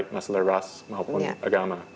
masalah ras maupun agama